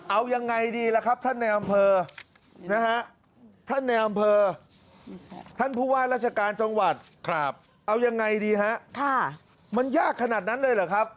เอายังไงดีล่ะครับท่านแนร์อำเภอ